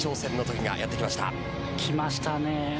きましたね。